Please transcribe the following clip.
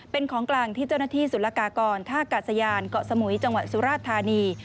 เป็นของกลางที่เจ้าหน้าที่สุรกากรท่ากาศยานเกาะสมุยจังหวัดสุราชธานี